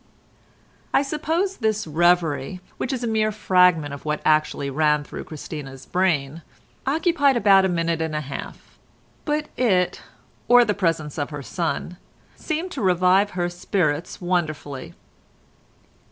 I suppose this reverie, which is a mere fragment of what actually ran through Christina's brain, occupied about a minute and a half, but it, or the presence of her son, seemed to revive her spirits wonderfully.